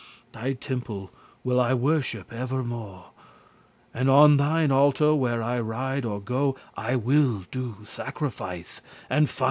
Thy temple will I worship evermo', And on thine altar, where I ride or go, I will do sacrifice, and fires bete*.